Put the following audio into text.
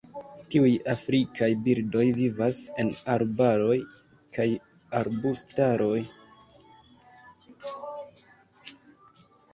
Tiuj afrikaj birdoj vivas en arbaroj kaj arbustaroj.